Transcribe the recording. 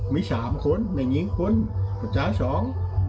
มีสามคนแนนเงี๊ยงคนประชาชอง